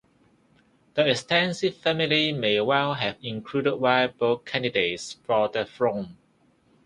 The extensive family may well have included viable candidates for the throne.